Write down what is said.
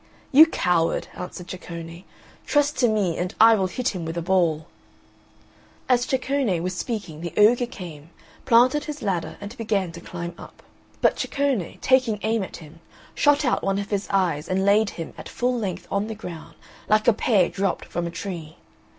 "You coward," answered Ceccone, "trust to me and I will hit him with a ball." As Ceccone was speaking the ogre came, planted his ladder and began to climb up; but Ceccone, taking aim at him, shot out one of his eyes and laid him at full length on the ground, like a pear dropped from a tree.